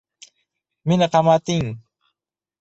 Meni qamatgi-in!